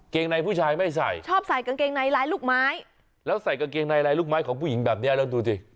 งในผู้ชายไม่ใส่ชอบใส่กางเกงในลายลูกไม้แล้วใส่กางเกงในลายลูกไม้ของผู้หญิงแบบนี้แล้วดูสิ